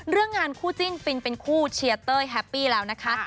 เรื่องงานผู้ชมแชร์เต้ยเฮปปี้แล้วนะ